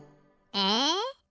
え？